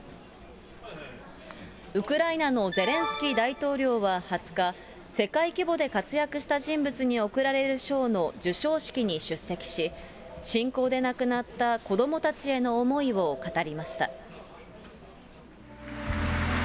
ウクライナのゼレンスキー大統領は２０日、世界規模で活躍した人物に贈られる賞の授賞式に出席し、侵攻で亡くなった子どもたちへの思いを語りました。